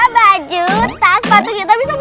baju tas sepatu kita bisa